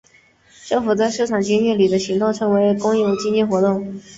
政府在市场经济里的行为称为公有经济活动。